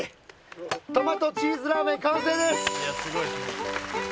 トマトチーズラーメン完成です！